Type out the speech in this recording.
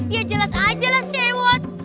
ya jelas aja lah sewot